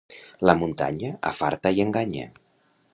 La muntanya afarta i enganya.